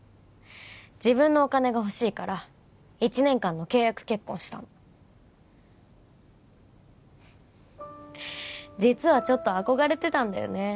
自分のお金が欲しいから１年間の契約結婚したの実はちょっと憧れてたんだよね